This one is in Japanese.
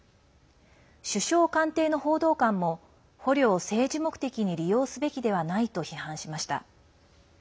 首相官邸の報道官も捕虜を政治目的に利用すべきではないと批判しました。